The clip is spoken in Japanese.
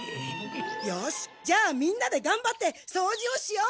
よしじゃあみんなでがんばってそうじをしよう！